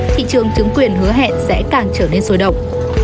thị trường chứng quyền hứa hẹn sẽ càng trở nên sôi động